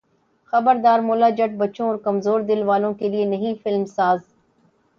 خبردار مولا جٹ بچوں اور کمزور دل والوں کے لیے نہیں فلم ساز